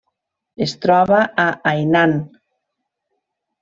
Es troba a Hainan.